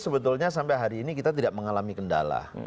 sebetulnya sampai hari ini kita tidak mengalami kendala